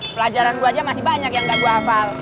pelajaran gue aja masih banyak yang gak gue hafal